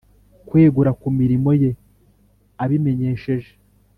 Kwegura ku mirimo ye abimenyesheje